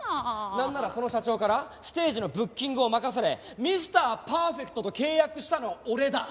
なんならその社長からステージのブッキングを任されミスター・パーフェクトと契約したのは俺だ。